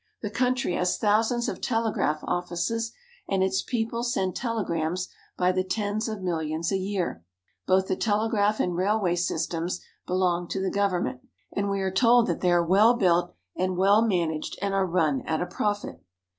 The country has thousands of telegraph offices, and its people send telegrams by the tens of millions a year. Both the telegraph and railway sys tems belong to the government ; and we are told that they are well built, and well managed, and are run at a profit.